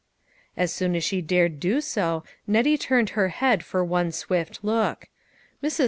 " As soon as she dared do so, Nettie turned her head for one swift look. Mrs.